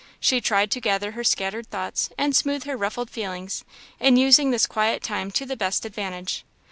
She tried to gather her scattered thoughts, and smooth her ruffled feelings, in using this quiet time to the best advantage.